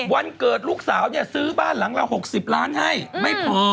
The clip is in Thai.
วันเกิดลูกสาวเนี่ยซื้อบ้านหลังละ๖๐ล้านให้ไม่พอ